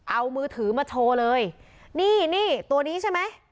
เอามือถือมาโชว์เลยนี่ตัวนี้ใช่มั้ย